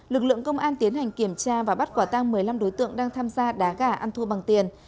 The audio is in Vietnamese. lực lượng công an tiến hành kiểm tra và bắt quả tang một mươi năm đối tượng đang tham gia đá gà ăn thua bằng tiền